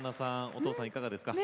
お父さんいかがですか。